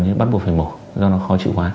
nhưng bắt buộc phải mổ do nó khó chịu quá